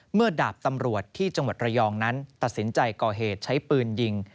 ดาบตำรวจที่จังหวัดระยองนั้นตัดสินใจก่อเหตุใช้ปืนยิง